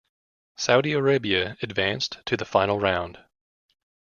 Saudi Arabia advanced to the Final Round.